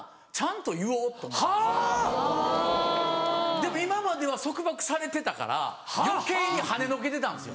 でも今までは束縛されてたから余計はねのけてたんですよ。